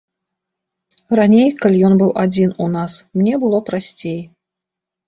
Раней, калі ён быў адзін у нас, мне было прасцей.